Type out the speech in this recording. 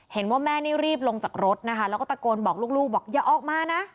เห็นว่าแม่นี่รีบลงจากรถนะคะแล้วก็ตะโกนบอกลูกบอกอย่าออกมานะ